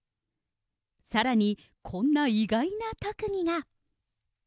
さらに、こんな意外な特技が。